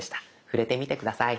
触れてみて下さい。